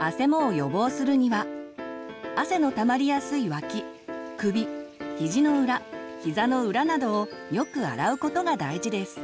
あせもを予防するには汗のたまりやすい脇首ひじの裏ひざの裏などをよく洗うことが大事です。